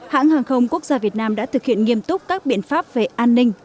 hãng hàng không quốc gia việt nam đã thực hiện nghiêm túc các biện pháp về an ninh